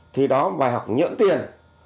thì đó bài học nhẫn tiền